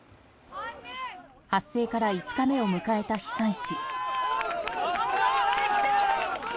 発生から５日目を迎えた被災地。